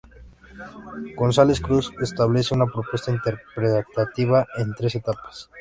González-Cruz establece una propuesta interpretativa en tres etapas.